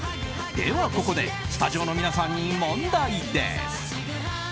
では、ここでスタジオの皆さんに問題です。